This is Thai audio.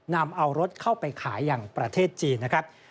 นำเอารถเข้าไปขายอย่างประเทศจีนนะครับ